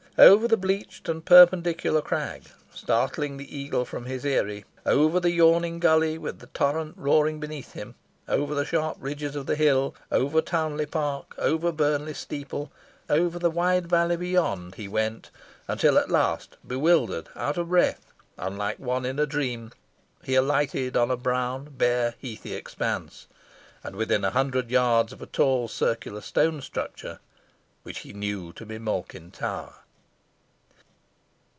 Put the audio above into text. Over the bleached and perpendicular crag startling the eagle from his eyry over the yawning gully with the torrent roaring beneath him over the sharp ridges of the hill over Townley park over Burnley steeple over the wide valley beyond, he went until at last, bewildered, out of breath, and like one in a dream, he alighted on a brown, bare, heathy expanse, and within a hundred yards of a tall, circular stone structure, which he knew to be Malkin Tower.